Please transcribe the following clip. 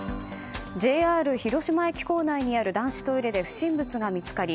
ＪＲ広島駅構内にある男子トイレで不審物が見つかり